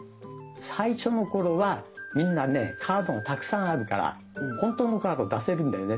最初の頃はみんなねカードがたくさんあるから本当のカード出せるんだよね。